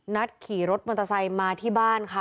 ขี่รถมอเตอร์ไซค์มาที่บ้านค่ะ